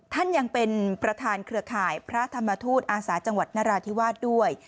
ท่านยังเป็นประธานเครือข่ายพระธรรมทูตอาสาจังหวัดนราธิวาสด้วย